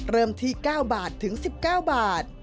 เริ่มที่๙บาทถึง๑๙บาท